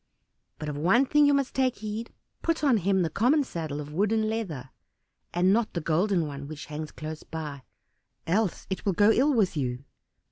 But of one thing you must take heed; put on him the common saddle of wood and leather, and not the golden one, which hangs close by, else it will go ill with you."